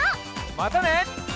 またね！